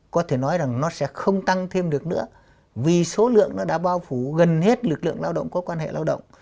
có thể nói rằng nó sẽ không tăng thêm được nữa vì số lượng nó đã bao phủ gần hết lực lượng lao động có quan hệ lao động